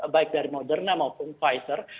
baik dari moderna maupun pfizer